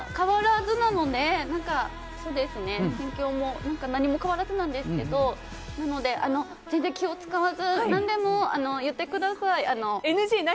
心境も何も変わらずなんですけどなので、全然、気を使わず何でも言ってください。